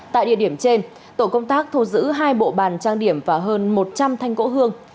tại địa điểm trên tổ công tác thu giữ hai bộ bàn trang điểm và hơn một trăm linh thanh gỗ hương